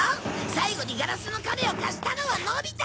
最後に『ガラスのカメ』を貸したのはのび太だ！